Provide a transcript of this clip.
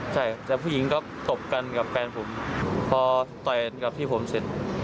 ใช่แต่ผู้หญิงก็ตบกันกับแฟนผมพอต่อยกับพี่ผมเสร็จ